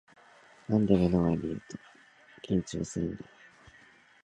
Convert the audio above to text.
なんで目の前にいると緊張するんだろう